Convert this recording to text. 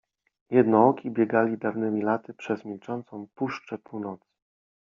Jednooki biegali dawnymi laty przez milczącą puszczę Północy.